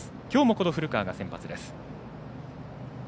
きょうも古川が先発です。